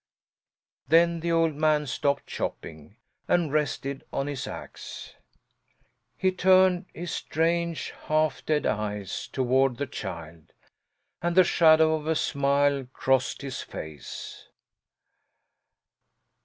Then the old man stopped chopping and rested on his axe. He turned his strange, half dead eyes toward the child, and the shadow of a smile crossed his face.